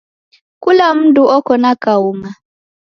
Kula mndu oko na kaung'a.